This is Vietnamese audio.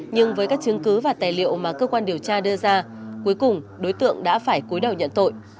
nhưng với các chứng cứ và tài liệu mà cơ quan điều tra đưa ra cuối cùng đối tượng đã phải cuối đầu nhận tội